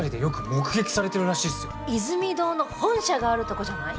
イズミ堂の本社があるとこじゃない？